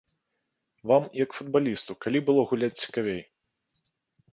Вам, як футбалісту, калі было гуляць цікавей?